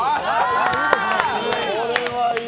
これいい。